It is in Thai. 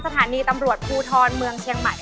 สถานีตำรวจภูทรเมืองเชียงใหม่